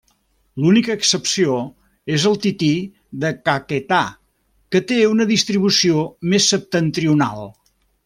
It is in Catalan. L'única excepció és el tití de Caquetá, que té una distribució més septentrional.